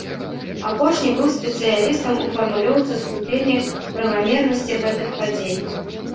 Апошні быў спецыялістам у фармулёўцы ступені правамернасці гэтых падзей.